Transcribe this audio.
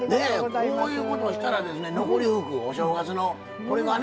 こういうことをしたら残り福お正月のこれがね